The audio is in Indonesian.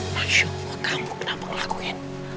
masya allah kamu kenapa ngelakuin